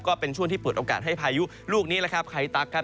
ก็เป็นช่วงที่เปิดโอกาสให้พายุลูกนี้แหละครับไคตั๊กครับ